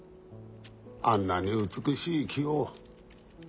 あんなに美しい木を。